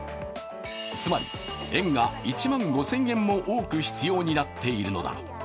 つまり、円が１万５０００円も多く必要になっているのだ。